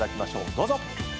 どうぞ。